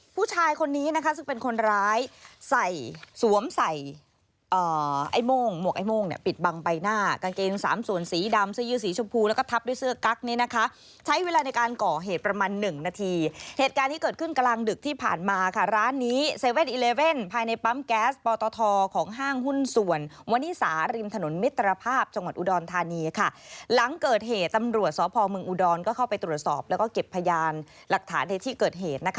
ผู้ชายคนนี้ซึ่งเป็นคนร้ายสวมใส่หมวกไอ้โม่งปิดบังไปหน้ากางเกณฑ์๓ส่วนสีดำซื้อยืดสีชมพูแล้วก็ทับด้วยเสื้อกั๊กใช้เวลาในการก่อเหตุประมาณ๑นาทีเหตุการณ์ที่เกิดขึ้นกลางดึกที่ผ่านมาค่ะร้านนี้๗๑๑ภายในปั๊มแก๊สปอตทของห้างหุ้นส่วนมวนิสาริมถนนมิตรภาพจังหวัดอุดรธานี